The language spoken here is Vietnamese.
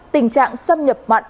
tình trạng xâm nhập mặn